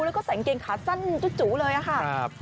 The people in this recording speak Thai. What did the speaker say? แล้วก็ใส่เกงขาสั้นจุ๊บเลยค่ะ